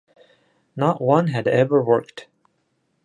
Not one had ever worked.